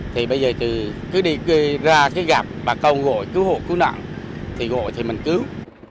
thì bây giờ thì cứ đi ra cái gạp bà con gọi cứu hộ cứu nạn thì gọi thì mình cứu